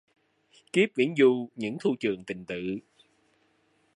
Kiếp viễn du những thu trường tình tự